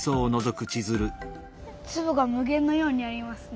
つぶがむげんのようにありますね。